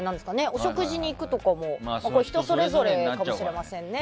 お食事に行くとかも人それぞれかもしれませんね。